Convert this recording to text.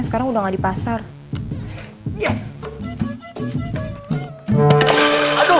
sekarang udah nggak di pasar yes aduh